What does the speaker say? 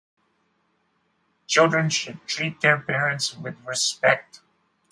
Children should treat their parents with respect.